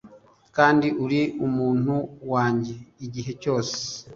Kandi uri umuntu wanjye Igihe cyose